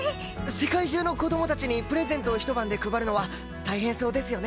世界中の子供たちにプレゼントを一晩で配るのは大変そうですよね。